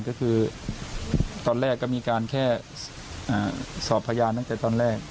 ก็คือตอนแรกก็มีการแค่สอบพยานตั้งแต่ตอนแรก